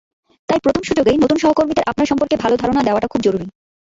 তাই প্রথম সুযোগেই নতুন সহকর্মীদের আপনার সম্পর্কে ভালো ধারণা দেওয়াটা খুবই জরুরি।